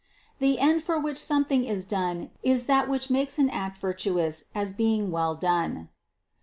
The end for which something is done is that which makes an act virtuous as being well done.